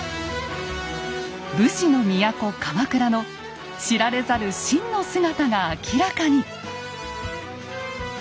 武士の都鎌倉の知られざる真の姿が明らかに！